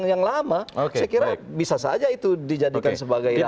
yang lama saya kira bisa saja itu dijadikan sebagai